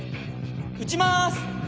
撃ちます。